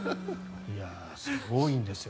すごいんですよ